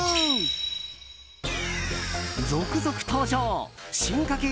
続々登場進化形